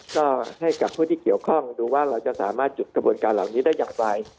ก็ให้กับผู้ที่เกี่ยวข้องดูว่าเราจะสามารถจุดกระบวนการเหล่านี้ได้อย่างไร